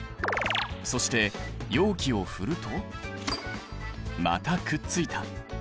そして容器を振るとまたくっついた。